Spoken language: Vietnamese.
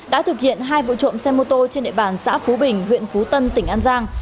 đã thực hiện hai vụ trộm xe mô tô trên địa bàn xã phú bình huyện phú tân tỉnh an giang